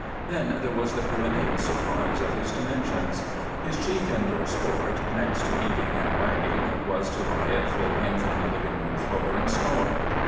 Then there was the perennial surprise of his di mensions. His chief indoor sport, next to eating and wagging, was to lie at full length on the living room floor and snore.